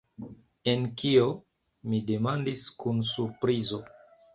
En kio? mi demandis kun surprizo.